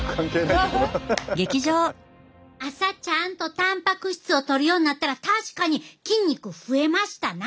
朝ちゃんとたんぱく質をとるようになったら確かに筋肉増えましたな。